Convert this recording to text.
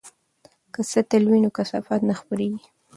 که سطل وي نو کثافات نه خپریږي.